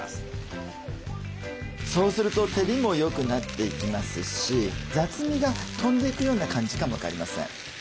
そうすると照りもよくなっていきますし雑味が飛んでいくような感じかも分かりません。